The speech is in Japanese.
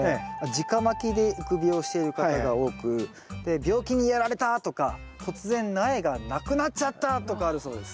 じかまきで育苗している方が多く病気にやられたとか突然苗がなくなっちゃったとかあるそうです。